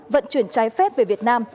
vận chuyển trái phép về việt nam